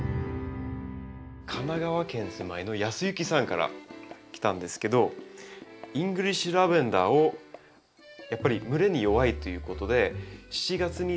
神奈川県お住まいのヤスユキさんから来たんですけどイングリッシュラベンダーをやっぱり蒸れに弱いということでというお悩みなんですけど。